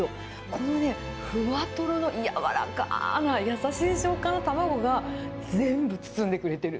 このね、ふわとろの柔らかな優しい食感の卵が全部、包んでくれてる。